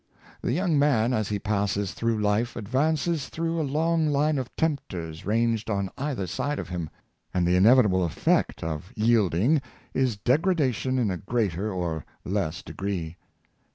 The young man, as he passes through life, advances through a long line of temptors ranged on either side of him; and the inevitable effect of yielding is degrada tion in a greater or a less degree.